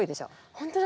本当だ。